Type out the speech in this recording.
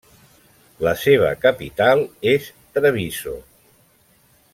La seva capital és Treviso.